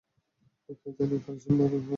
কে জানে তারা সিম্বার সাথে কী করে!